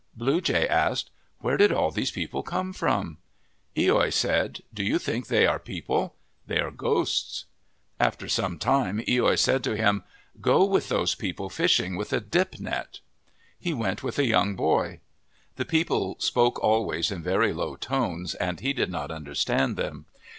Blue Jay asked, " Where did all these people come from ?' loi said, " Do you think they are people ? They are ghosts." After some time, loi said to him, " Go with those people fishing with a dip net." He went with a young boy. The people spoke always in very low tones and he did not understand them.